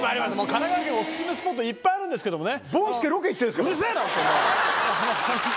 神奈川県はお薦めスポットいっぱいあるんですけどもね。